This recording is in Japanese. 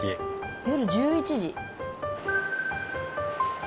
夜１１時。